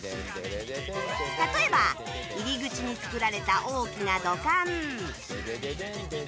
例えば入り口に作られた大きな土管